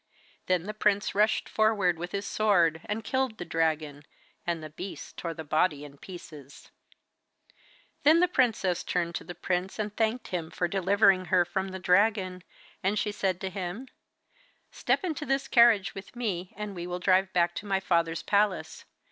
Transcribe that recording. Then the prince rushed forward with his sword and killed the dragon, and the beasts tore the body in pieces. Then the princess turned to the prince and thanked him for delivering her from the dragon, and she said to him: 'Step into this carriage with me, and we will drive back to my father's palace.